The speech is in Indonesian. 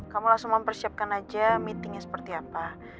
kamu langsung mempersiapkan aja meetingnya seperti apa